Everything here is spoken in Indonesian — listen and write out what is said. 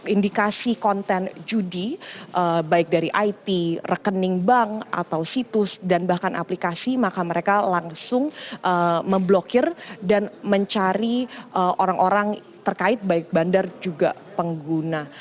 indikasi konten judi baik dari it rekening bank atau situs dan bahkan aplikasi maka mereka langsung memblokir dan mencari orang orang terkait baik bandar juga pengguna